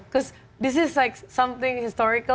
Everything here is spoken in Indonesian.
karena ini kayak sesuatu yang sejarah